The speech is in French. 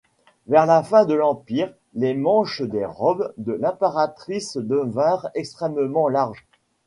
Vers la fin de l’empire, les manches des robes de l’impératrice devinrent extrêmement larges.